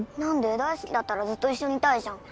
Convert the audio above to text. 大好きだったらずっと一緒にいたいじゃん。